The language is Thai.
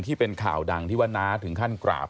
ที่เป็นข่าวดังที่ว่าน้าถึงขั้นกราบ